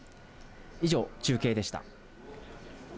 以上、中継でした。